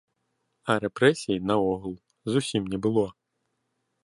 А рэпрэсій, наогул, зусім не было.